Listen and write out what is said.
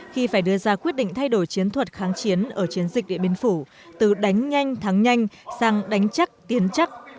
khi phải đưa ra quyết định thay đổi chiến thuật kháng chiến ở chiến dịch điện biên phủ từ đánh nhanh thắng nhanh sang đánh chắc tiến chắc